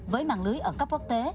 với mạng lưới ở cấp quốc tế